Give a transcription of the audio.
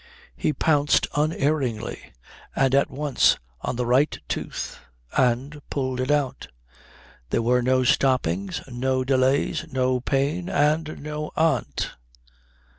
He pounced unerringly and at once on the right tooth and pulled it out. There were no stoppings, no delays, no pain, and no aunt.